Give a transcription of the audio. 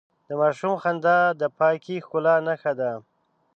د ماشوم خندا د پاکې ښکلا نښه ده.